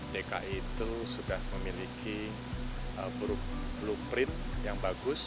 dki itu sudah memiliki blueprint yang bagus